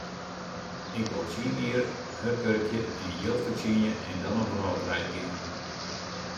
Ik wol tsien jier hurd wurkje en jild fertsjinje en dan op wrâldreis gean.